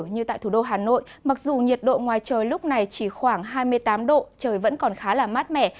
nhiệt độ ngoài trời lúc này chỉ khoảng hai mươi tám độ trời vẫn còn khá là mát mẻ